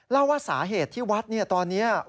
เล่าว่าสาเหตุที่วัดตอนนี้